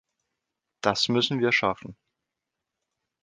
Das müssen wir schaffen.